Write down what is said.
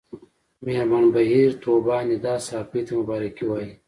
مېرمن بهیر طوبا ندا ساپۍ ته مبارکي وايي